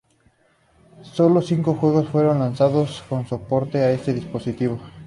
Sólo cinco juegos fueron lanzados con soporte a este dispositivo.